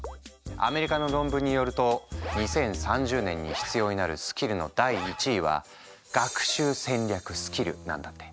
アメリカの論文によると２０３０年に必要になるスキルの第１位は学習戦略スキルなんだって。